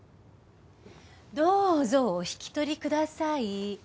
どうぞお引き取りください。